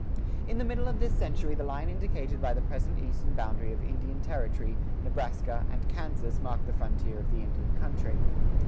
"[7:4] In the middle of this century the line indicated by the present eastern boundary of Indian Territory, Nebraska, and Kansas marked the frontier of the Indian country.